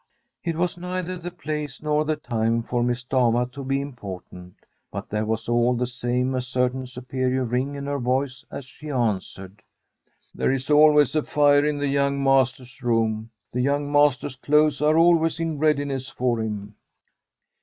It was neither the place nor the time for Miss Stafva to be important. But there was all the same a certain superior ring in her voice as she answered :* There is always a fire in the young master's room. The young master's clothes are always in readiness for him.'